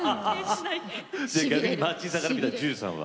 逆にマーチンさんから見たらＪＵＪＵさんは？